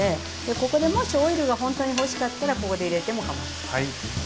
ここでもしオイルがほんとに欲しかったらここで入れてもかまいません。